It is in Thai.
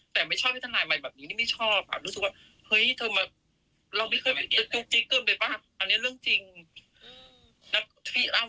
แต่ไม่ชอบท่านทนายแบบนี้ไม่ชอบรู้สึกว่าเราไม่เคยตึ๊ง๊กจริงเลยหรือเปล่า